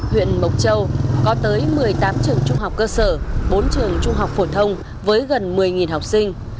huyện mộc châu có tới một mươi tám trường trung học cơ sở bốn trường trung học phổ thông với gần một mươi học sinh